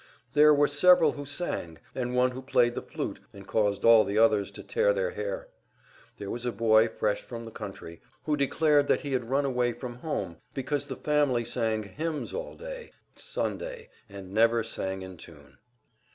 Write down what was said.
There were several who sang, and one who played the flute and caused all the others to tear their hair. There was a boy fresh from the country, who declared that he had run away from home because the family sang hymns all day Sunday, and never sang in tune.